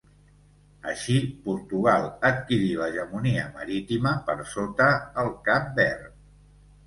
Així Portugal adquirí l'hegemonia marítima per sota el Cap Verd.